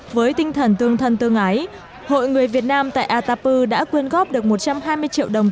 với tinh thần tương thân tương ái hội người việt nam tại atapu đã quyên góp được một trăm hai mươi triệu đồng